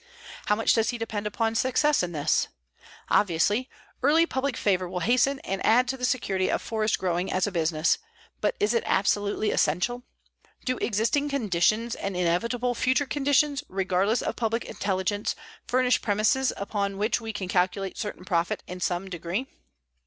How much does he depend upon success in this? Obviously, early public favor will hasten and add to the security of forest growing as a business, but is it absolutely essential? Do existing conditions and inevitable future conditions, regardless of public intelligence, furnish premises upon which we can calculate certain profit in some degree?